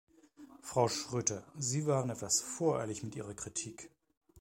Frau Schroedter, Sie waren etwas voreilig mit Ihrer Kritik.